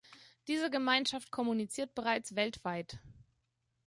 Diese Gemeinschaft kommuniziert bereits weltweit.